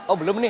oh belum nih